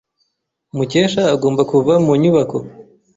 Mukesha agomba kuva mu nyubako.